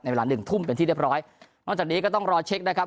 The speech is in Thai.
เวลาหนึ่งทุ่มเป็นที่เรียบร้อยนอกจากนี้ก็ต้องรอเช็คนะครับ